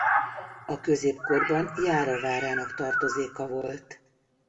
A középkorban Jára várának tartozéka volt.